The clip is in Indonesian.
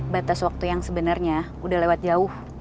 batas waktu yang sebenarnya udah lewat jauh